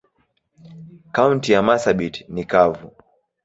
Kaunti ya marsabit ni kavu.